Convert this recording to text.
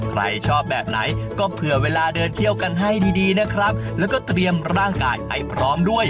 ใครชอบแบบไหนก็เผื่อเวลาเดินเที่ยวกันให้ดีดีนะครับแล้วก็เตรียมร่างกายให้พร้อมด้วย